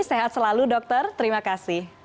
sehat selalu dokter terima kasih